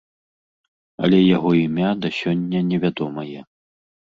Але яго імя да сёння невядомае.